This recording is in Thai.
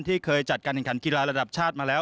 ที่เคยจัดการการกีฬาระดับชาติมาแล้ว